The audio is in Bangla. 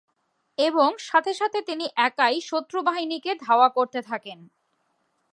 এবং সাথে সাথে তিনি একাই শত্রু বাহিনীকে ধাওয়া করতে থাকেন।